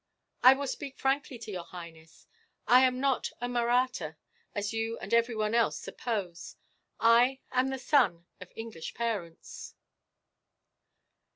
"I will speak frankly to your highness. I am not a Mahratta, as you and everyone else suppose. I am the son of English parents."